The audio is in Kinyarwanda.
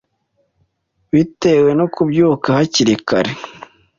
Bitewe no kubyuka hakiri kare